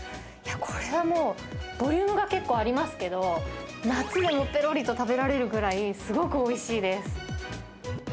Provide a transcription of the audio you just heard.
これはもう、ボリュームが結構ありますけど、夏でもぺろりと食べられるぐらい、すごくおいしいです。